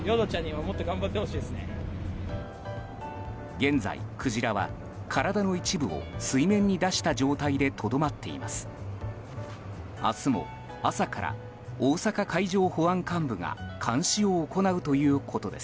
現在、クジラは体の一部を水面に出した状態でとどまっています。